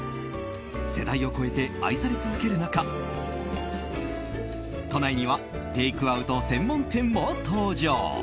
世代を超えて愛され続ける中都内にはテイクアウト専門店も登場。